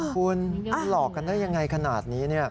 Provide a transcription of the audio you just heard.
คุณหลอกกันได้อย่างไรขนาดนี้